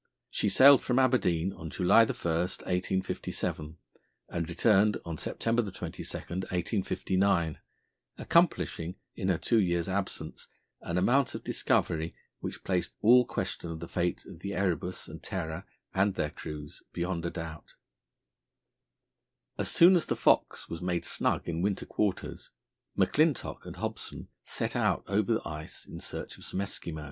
She sailed from Aberdeen on July 1, 1857, and returned on September 22, 1859, accomplishing, in her two years' absence, an amount of discovery which placed all question of the fate of the Erebus and Terror and their crews beyond a doubt. As soon as the Fox was made snug in winter quarters, McClintock and Hobson set out over the ice in search of some Eskimo.